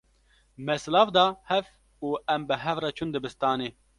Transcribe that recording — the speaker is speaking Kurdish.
Me silav da hev û em bi hev re çûn dibistanê.